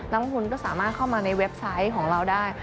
นักลงทุนก็สามารถเข้ามาในเว็บไซต์ของเราได้